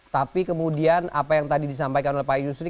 tapi kemudian apa yang tadi disampaikan oleh pak yusri